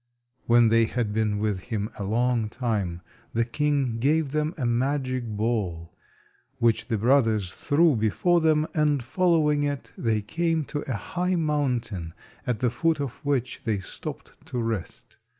When they had been with him a long time, the king gave them a magic ball, which the brothers threw before them, and following it they came to a high mountain at the foot of which they stopped to rest.